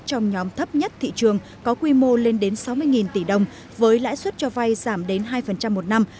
trong nhóm thấp nhất thị trường có quy mô lên đến sáu mươi tỷ đồng với lãi suất cho vay giảm đến hai một năm